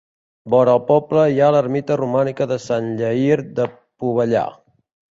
Vora el poble hi ha l'ermita romànica de Sant Lleïr de Pobellà.